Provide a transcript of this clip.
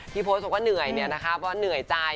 พี่โพสต์บอกว่าเหนื่อยเนี่ยนะคะเพราะว่าเหนื่อยใจ